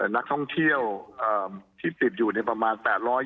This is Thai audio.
นักท่องเที่ยวที่ติดอยู่ประมาณ๘๐๐